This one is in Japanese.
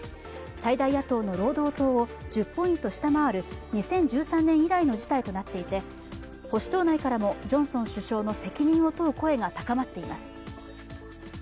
最大野党の労働党を１０ポイント下回る２０１３年以来の事態となっていて保守党内からもジョンソン首相の責任を問う声が高まっています。